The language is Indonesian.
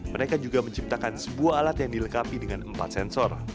mereka juga menciptakan sebuah alat yang dilengkapi dengan empat sensor